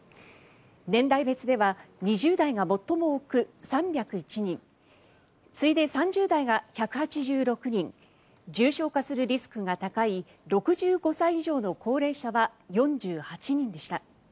年代別では２０代が最も多く３０１人次いで３０代が１８６人重症化するリスクが高い６５歳以上の高齢者は４８人でした。